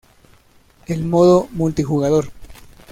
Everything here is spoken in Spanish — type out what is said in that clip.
El modo multijugador.